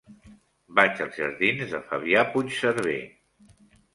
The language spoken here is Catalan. Vaig als jardins de Fabià Puigserver.